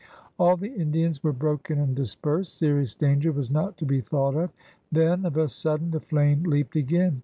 All the Indians were broken and dispersed; serious danger was not to be thought of. Then, of a sudden, the flame leaped again.